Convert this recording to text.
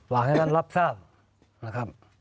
อยากให้ท่านรับทราบนะครับ